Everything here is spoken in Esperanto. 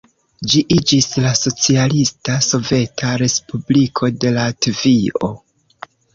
Ĝi iĝis la Socialista Soveta Respubliko de Latvio.